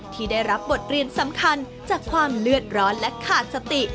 ที่ได้รับบทเรียนสำคัญจากความเลือดร้อนและขาดสติ